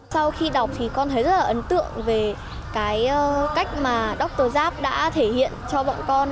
sau khi đọc thì con thấy rất là ấn tượng về cái cách mà dr giáp đã thể hiện cho bọn con